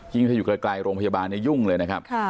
ยิ่งจะอยู่ใกล้โรงพยาบาลยุ่งเลยนะครับ